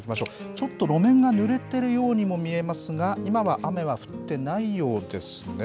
ちょっと路面がぬれているようにも見えますが、今は雨は降ってないようですね。